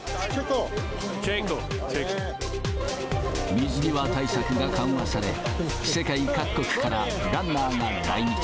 水際対策が緩和され、世界各国からランナーが来日。